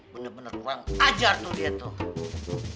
bener bener uang ajar tuh dia tuh